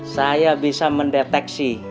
saya bisa mendeteksi